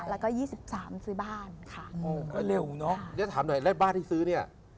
แล้วถามหน่อยแล้วบ้านที่ซื้อนี่